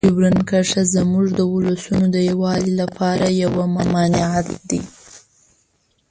ډیورنډ کرښه زموږ د ولسونو د یووالي لپاره یوه ممانعت ده.